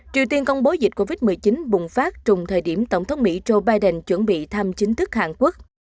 triều tiên công bố dịch covid một mươi chín bùng phát trùng thời điểm tổng thống mỹ joe biden chuẩn bị thăm chính thức hàn quốc